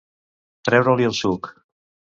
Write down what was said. Treure-li el suc.